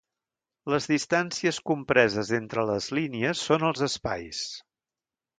Les distàncies compreses entre les línies són els espais.